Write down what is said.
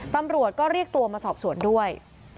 ตำรวจก็เรียกตัวมาสอบสวนด้วย